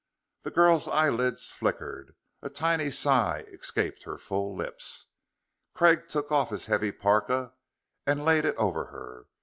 The girl's eyelids flickered; a tiny sigh escaped her full lips. Craig took off his heavy parka and laid it over her.